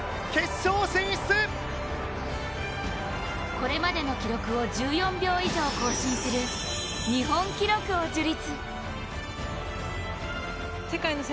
これまでの記録を１４秒以上更新する日本記録を樹立。